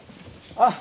あっ！